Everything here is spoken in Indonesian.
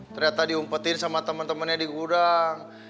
ternyata diumpetin sama temen temennya di gudang